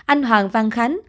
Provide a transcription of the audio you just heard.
anh hoàng văn khánh